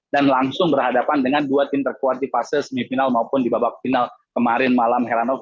dan langsung berhadapan dengan dua tim terkuat di fase semifinal maupun di babak final kemarin malam heranok